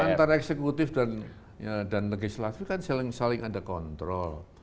antara eksekutif dan legislatif kan saling ada kontrol